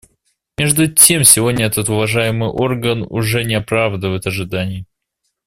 Между тем сегодня этот уважаемый орган уже не оправдывает ожиданий.